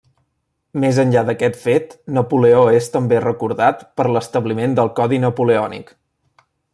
Més enllà d'aquest fet, Napoleó és també recordat per l'establiment del codi Napoleònic.